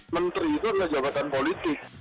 menteri itu adalah jabatan politik